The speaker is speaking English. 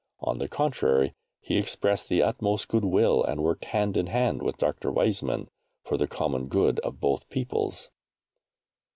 On the contrary he expressed the utmost goodwill and worked hand in hand with Dr. Weizmann for the common good of both peoples.